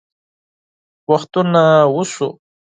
وختونه وشوه